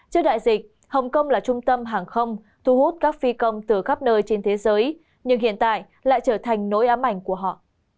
trước đại dịch hồng kông là trung tâm hàng không thu hút các phi công từ khắp nơi trên thế giới nhưng hiện tại lại trở thành nỗi ám ảnh của họ